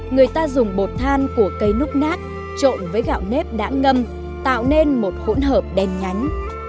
người ta dùng bột than của cây núp nát trộn với gạo nếp đã ngâm tạo nên một hỗn hợp đen nhánh